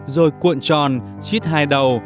rồi cuộn tròn chít hai đầu